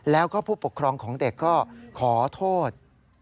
แล้วก็ผู้ปกครองของเด็กก็ขอโทษ